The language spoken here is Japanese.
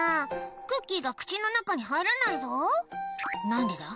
「クッキーが口の中に入らないぞ何でだ？」